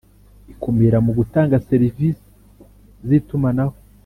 Ikumira mu gutanga serivisi zitumanaho